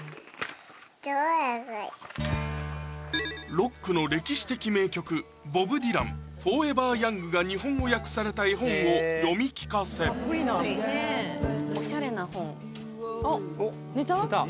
ロックの歴史的名曲ボブ・ディラン「Ｆｏｒｅｖｅｒｙｏｕｎｇ」が日本語訳された絵本を読み聞かせおしゃれな本寝た？